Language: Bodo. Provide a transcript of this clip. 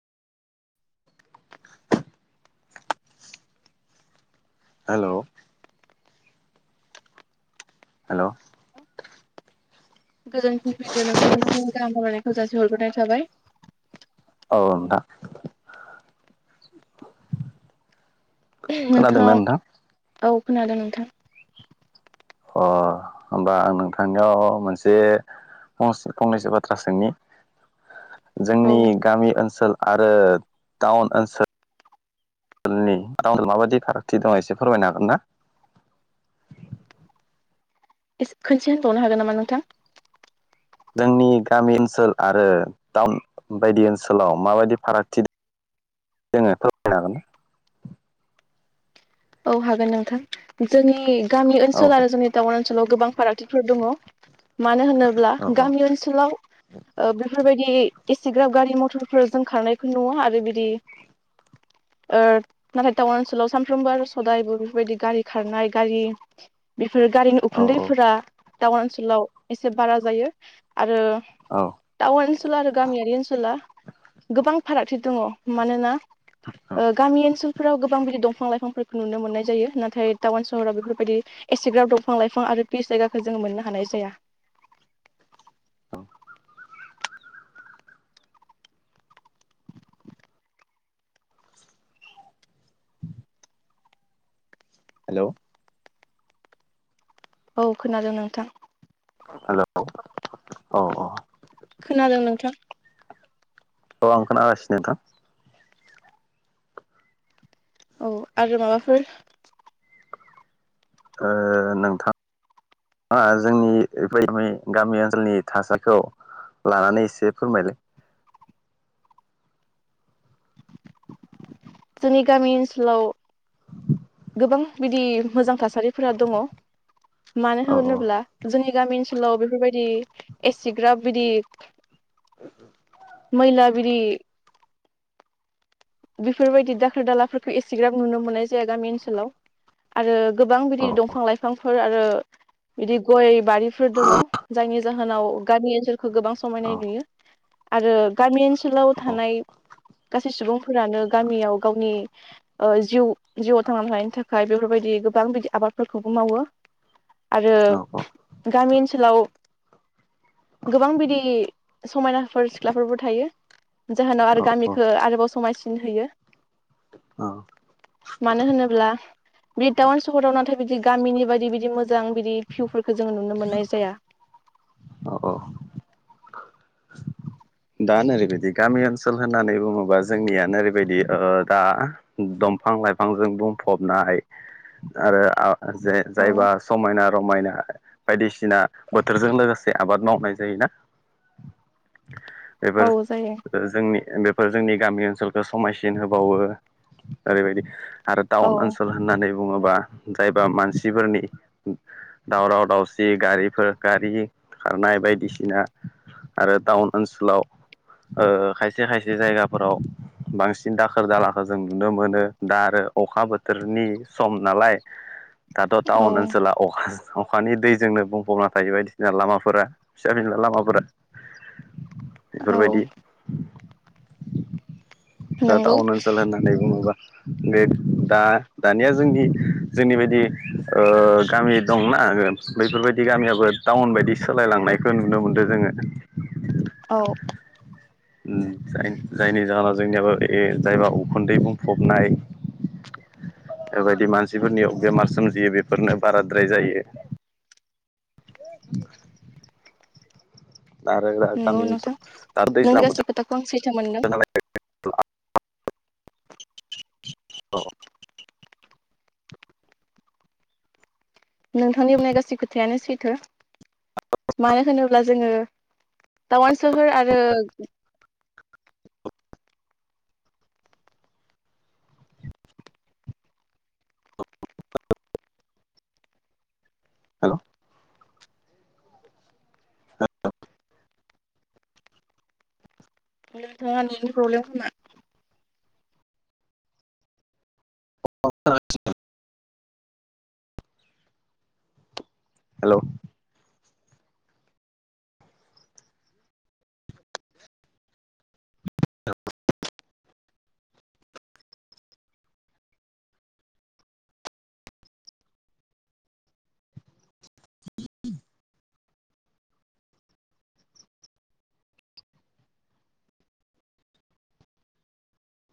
हेलौ हेल' गोजोन फुंबिलियाव नोंथांनिसिम गाहाम हामलायनायखौ जासि हरग्रोनाय थाबाय। औ नोंथां नोंथाङा खोनादोंना नोंथां औ खोनादों नोंथां अ होमबा आं नोंथांनियाव मोनसे [unintelligible] फंनैसो बाथ्रा सोंनि औ जोंनि गामि ओनसोल आरो टाउन ओनसोल [unintelligible] माबायदि फारागथि दं एसे फोरमायनो हागोन ना? एस खोनसे होनबावनो हागोन नामा नोंथां? जोंनि गामि ओनसोल आरो टाउन बायदि ओनसोलाव माबायदि फारागथि जोङो फोर [unintelligible] हागोना औ हागोन नोंथां जोंनि गामि औ ओनसोल आरो दे जोंनि टाउन ओनसोलाव गोबां फारागथिफोर दङ' मानो होनोब्ला औ गामि ओनसोलाव ओ बेफोरबायदि एसेग्राब गारि मथरफोर जों खारनायखौ नुवा आरो बिदि ओ नाथाय टाउन ओनसोलाव सफ्रामबो आरस हदायबो बेफोरबायदि गारि खारनाय गारि बेफोर गारिनि औ औ उखुन्दैफोरा टाउन ओनसोलाव एसे बारा जायो आरो औ टाउन ओनसोल आरो गामियारि ओनसोला गोबां फारागथि दङ'। मानोना औ ओ गामि ओनसोलफोराव गोबां बिदि दंफां लाइफांफोर नुनो मोननाय जायो नाथाय टाउन सहराव बेफोरबायदि एसेग्राब दंफां लाइफां आरो पिस जायगाखौ जोङो मोननो हानाय जाया। औ [inaudible] हेल' औ खोनादों नोंथां हेल' औ औ खोनादों नोंथां औ आं खोनागासिनो नोंथां औ आरो माबाफोर ओ नोंथां ओ जोंनि गामि ओनसोलनि थासारिखौ लानानै एसे फोरमायलाय जोंनि गामि ओनसोलाव गोबां बिदि मोजां थासारि फोर दङ' मानो औ होनोब्ला जोंनि गामि ओनसोलाव बेफोरबायदि एसिग्राब बिदि मैला बिरि बेफोरबायदि दाखोर दालाफोरखौ एसेग्राब नुनो मोननाय जाया गामि ओनसोलाव आरो गोबां औ बिदि दंफां लाइफांफोर आरो बिदि गय बारिफोर दङ' जायनि जाहोनाव गामि ओनसोलखौ गोबां औ समायनाय नुयो आरो गामि ओनसो सोलाव औ थानाय गासै सुबुंफोरानो गामियाव गावनि ओ जिउ जिउआव थांनानै थानायनि थाखाय बेफोरबायदि गोबां बिदि आबादफोरखौबो मावो। आरो औ गामि ओनसोलाव गोबां बिदि समायनाफोर सिख्लाफोरबो थायो जाहोनाव औ आरो औ गामिखो आरोबाव समायसिन होयो। औ। मानो होनोब्ला बि टाउन सहराव नाथाय बिदि गामिनि बायदि बिदि मोजां बिदि भिउफोरखौ जोङो नुनो मोननाय जाया। औ औ। दा नोरैबायदि गामि ओनसोल होननानै बुङोबा जोंनियानो नोरैबायदि ओ दा दंफां लाइफांजों बुंफबनाय आरो जे औ जायबा समायना रमायना बायदिसिना बोथोरजों लोगोसे आबाद मावनाय जायोना। औ एबार जायो जोंनि बेफोर जोंनि गामि ओनसोलखौ समायसिन होबावो ओरैबायदि। आरो औ टाउन ओनसोल होननानै बुङोबा जायबा मानसिफोरनि दावराव दावसि गारिफोर गारि खारनाय बायदिसिना आरो टाउन ओनसोलाव खायसे खायसे जायगाफोराव बांसिन दाखोर दालाखौ जों नुनो मोनो दा आरो अखा बोथोरनि सम नालाय दाथ' औ टाउन ओनसोल अखानि दैजोंनो बुंफबना थायो बायदिसिना लामाफोरा फिसा फिनला लामाफोरा। औ बेफोरबायदि दा नंगौ टाउन ओनसोल होननानै बुङोबा बे दा दानिया जोंनि जोंनि बायदि ओ गामि दंना बैफोरबायदि गामियाबो टाउन बायदि सोलायलांनायखौ नुनो मोनदो जोङो। औ। उ जायनि जाहोनाव जोंनियाबो जायबा उखुन्दै बुंफबनाय बेबायदि मानसिफोरनियाव बेमार सोमजियो बेफोरनो बाराद्राय जायो। [inaudible] नंगौ नोंथां नों गासै खोथाखौ आं सैथो मोनदों [unintelligible] औ। नोंथांनि बुंनाय गासै खोथायानो सैथो। मानो होनोब्ला जोङो टाउन सोहोर आरो हेल'। औ। [unintelligible] [unintelligible] हेल'।